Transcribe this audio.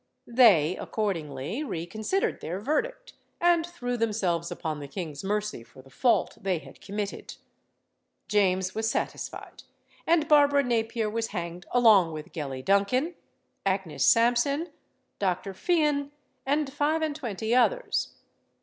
They accordingly reconsidered their verdict, and threw themselves upon the king's mercy for the fault they had committed. James was satisfied, and Barbara Napier was hanged along with Gellie Duncan, Agnes Sampson, Dr. Fian, and five and twenty others.